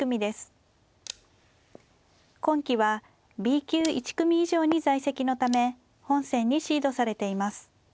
今期はＢ級１組以上に在籍のため本戦にシードされています。